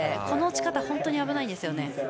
この落ち方は本当に危ないんですよね。